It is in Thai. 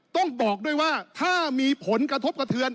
ต้องบอกด้วยว่าถ้ามีผลกระทบกระเทือน